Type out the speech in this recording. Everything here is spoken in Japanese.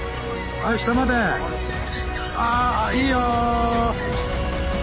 あいいよ！